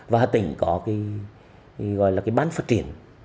và hà tĩnh có cái bán phát triển